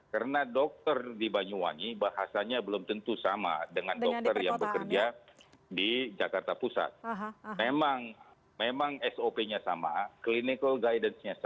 karena dokter di banyuwangi bahasanya belum tentu sama dengan dokter di banyuwangi